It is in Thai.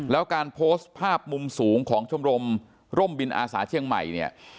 แล้วการโพสต์ภาพมุมสูงของชมรมร่มบินอาสาเชียงใหม่เนี่ย